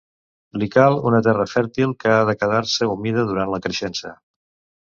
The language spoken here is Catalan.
Li cal una terra fèrtil que ha de quedar-se humida durant la creixença.